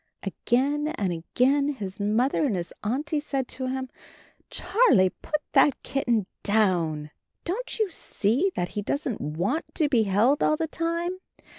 Again and again his Mother and his Auntie said to him, "Charlie, put that kitten down! Don't you see that he doesn't want to be held all the time?